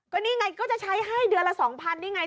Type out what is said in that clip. ก็นี่ไงก็จะใช้ให้เดือนละ๒๐๐นี่ไง